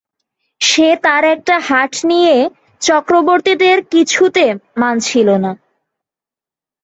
সে তার একটা হাট নিয়ে চক্রবর্তীদের কিছুতে মানছিল না।